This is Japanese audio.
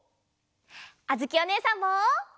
あづきおねえさんも！